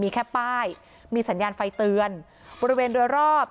มีแค่ป้ายมีสัญญาณไฟเตือนบริเวณโดยรอบ